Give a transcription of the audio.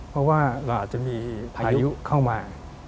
เพราะว่าเราอาจจะมีพายุเข้ามา